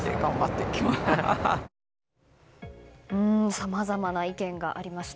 さまざまな意見がありました。